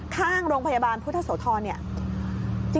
ข้างโรงพยาบาลพุทธโสทร